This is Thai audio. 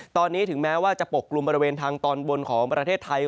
ตอนนี้ถึงแม้ว่าจะปกกลุ่มบริเวณทางตอนบนของประเทศไทย